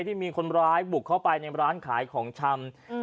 ที่มีคนร้ายบุกเข้าไปในร้านขายของชำ